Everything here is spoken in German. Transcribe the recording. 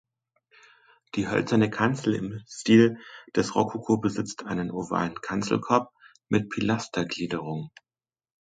Die hölzerne Kanzel im Stil des Rokoko besitzt einen ovalen Kanzelkorb mit Pilastergliederung.